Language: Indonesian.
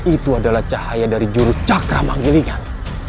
itu adalah cahaya dari jurus cakra manggiringan